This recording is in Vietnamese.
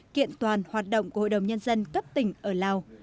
kiện toàn hoạt động của hội đồng nhân dân cấp tỉnh ở lào